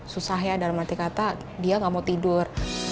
susah ya dalam arti kata dia gak mau tidur